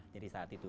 jadi saat itu